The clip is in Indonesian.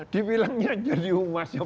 dibilangnya jari umasnya